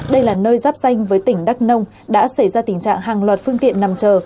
đây là nơi giáp danh với tỉnh đắk nông đã xảy ra tình trạng hàng loạt phương tiện nằm chờ